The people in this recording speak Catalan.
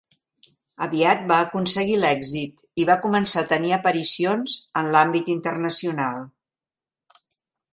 Aviat va aconseguir l'èxit, i va començar a tenir aparicions en l'àmbit internacional.